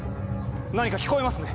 何か聞こえますね。